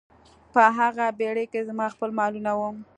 په هغه بیړۍ کې زما خپل مالونه وو.